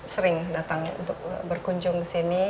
sering datang untuk